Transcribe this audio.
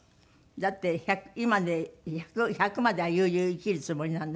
だって今で１００までは悠々生きるつもりなんだからさ。